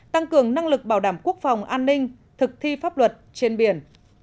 tăng cường năng lực bảo đảm quốc phòng an ninh thực thi pháp luật trên biển